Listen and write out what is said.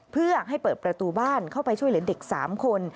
เพื่อให้เปิดประตูบ้านเข้าไปช่วยเหลือเด็ก๓คน